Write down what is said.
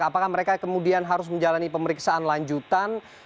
apakah mereka kemudian harus menjalani pemeriksaan lanjutan